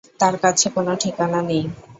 তাঁর কাছে কোনো ঠিকানা নেই।